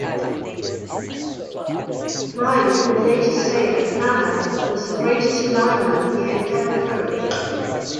Bryant would later say that Hannah was the greatest lineman he ever coached.